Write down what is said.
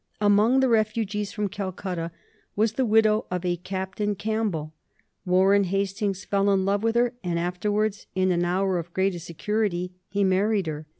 Among the refugees from Calcutta was the widow of a Captain Campbell. Warren Hastings fell in love with her, and afterwards in an hour of greater security he married her.